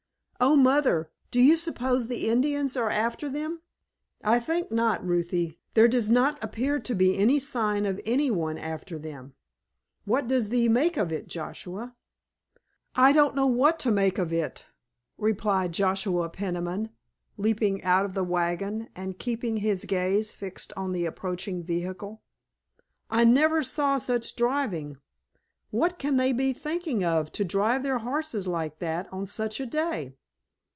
Oh, Mother, do you suppose the Indians are after them?" "I think not, Ruthie, there does not appear to be any sign of any one after them. What does thee make of it, Joshua?" "I don't know what to make of it," replied Joshua Peniman, leaping out of the wagon and keeping his gaze fixed on the approaching vehicle. "I never saw such driving. What can they be thinking of to drive their horses like that on such a day!